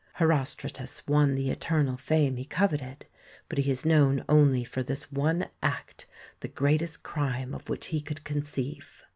Herostratus won the eternal fame he coveted, but he is known only for this one act the greatest crime of which he could conceive.